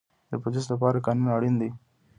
د پولیس لپاره قانون اړین دی